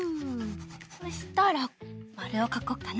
そしたらまるをかこっかな。